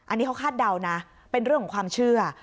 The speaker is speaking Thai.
อันนี้เขาคาดเดานะเป็นเรื่องของความเชื่อ